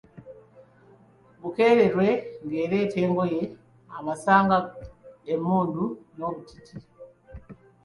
Bukerewe ng'ereeta engoye, amasanga, emmundu n'obutiiti.